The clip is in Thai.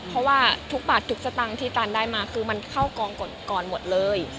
เพราะว่าทุกบาททุกสตางค์ที่ตันได้มาคือมันเข้ากองก่อนหมดเลย